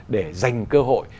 để dành cơ hội